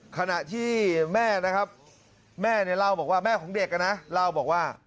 ขณะที่แม่นะครับแม่เนี่ยเล่าบอกว่าแม่ของเด็กนะเล่าบอกว่า